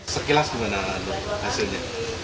sekilas bagaimana hasilnya